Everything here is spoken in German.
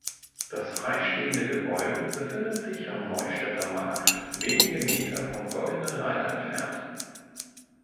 Das freistehende Gebäude befindet sich am Neustädter Markt, wenige Meter vom Goldenen Reiter entfernt.